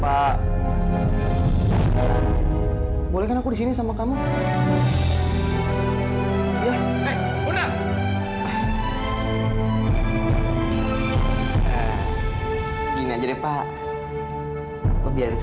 nggak tahu mau ngapain pak